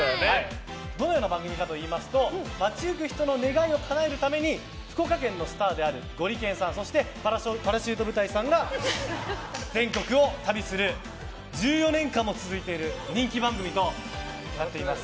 どのような番組かといいますと街行く人の願いをかなえるために福岡県のスターであるゴリけんさんそしてパラシュート部隊さんが全国を旅する１４年間も続いている人気番組となっています。